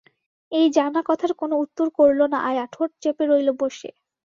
এই জানা কথার কোনো উত্তর করল না আয়া, ঠোঁট চেপে রইল বসে।